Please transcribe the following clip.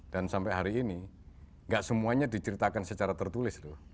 dan sampai hari ini gak semuanya diceritakan secara tertulis loh